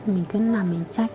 mình cứ nằm mình trách